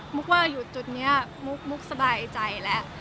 กว่าอยู่จุดนี้มุกสบายใจแล้ว